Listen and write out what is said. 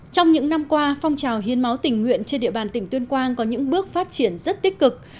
trong những năm qua phong trào hiến máu tình nguyện trên địa bàn tỉnh tuyên quang có những bước phát triển rất tích cực